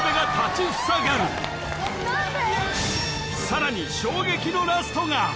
さらに衝撃のラストが！